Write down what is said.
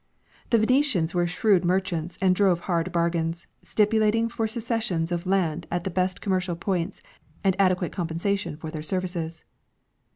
The Venetians were shrewd merchants and drove hard bargains, stipulating for cessions of land at the best commercial points and adequate com pensation for their services.